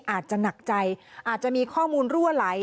อาจจะหนักใจอาจจะมีข้อมูลรั่วไหล